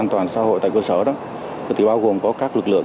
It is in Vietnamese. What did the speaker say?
ở cơ sở còn tốt hơn